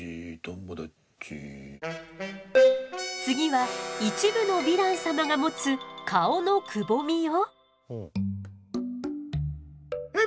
次は一部のヴィラン様が持つ顔のくぼみよ。